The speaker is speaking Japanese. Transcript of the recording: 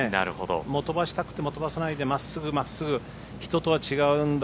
もう飛ばしたくても飛ばさないでまっすぐまっすぐ人とは違うんだ